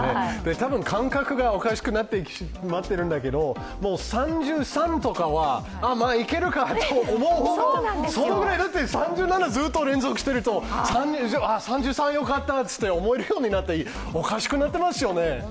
たぶん、感覚がおかしくなってきてしまっているんだけど、３３とかは、いけるかなと思うほど、そのぐらいだって３７度とかがずっと連続してると３３、よかったと思えるようになっておかしくなってますよね。